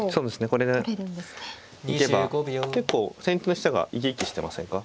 これで行けば結構先手の飛車が生き生きしてませんか。